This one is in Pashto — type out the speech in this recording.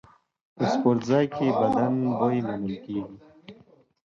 په سپورتځای کې بدن بوی منل کېږي.